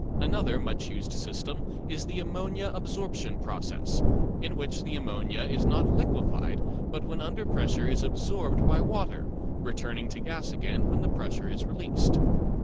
Another much used system is the "ammonia absorption" process, in which the ammonia is not liquefied, but when under pressure is absorbed by water, returning to gas again when the pressure is released.